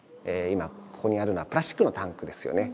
今ここにあるのはプラスチックのタンクですよね。